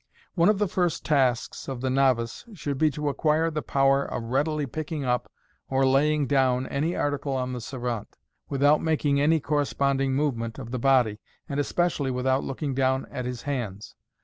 One of the first tasks of the novice should be to acquire the power of readily picking up or laying down any article on the servante, without making any corresponding movement of the body, and especially without looking down at his hands.